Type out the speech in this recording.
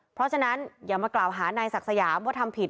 เพราะฉะนั้นอย่ามากล่าวหานายศักดิ์สยามว่าทำผิด